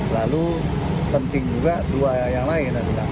lalu penting juga dua yang lain